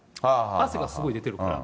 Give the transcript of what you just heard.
汗がすごい出てるから。